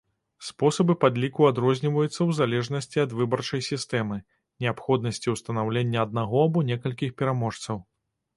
Спосабы падліку адрозніваюцца ў залежнасці ад выбарчай сістэмы, неабходнасці ўстанаўлення аднаго або некалькіх пераможцаў.